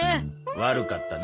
悪かったな。